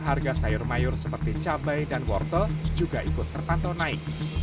harga sayur mayur seperti cabai dan wortel juga ikut terpantau naik